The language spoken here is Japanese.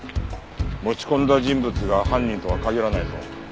持ち込んだ人物が犯人とは限らないぞ。